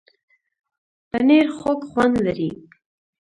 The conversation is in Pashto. پنېر خوږ خوند لري.